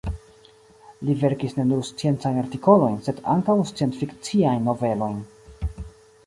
Li verkis ne nur sciencajn artikolojn, sed ankaŭ scienc-fikciajn novelojn.